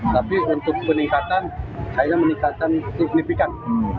tapi untuk peningkatan saya menikahkan signifikan